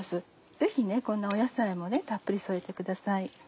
ぜひこんな野菜もたっぷり添えてください。